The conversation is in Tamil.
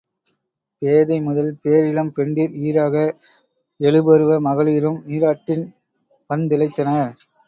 பேதை முதல் பேரிளம் பெண்டிர் ஈறாக எழுபருவ மகளிரும் நீராட்டின்பந் திளைத்தனர்.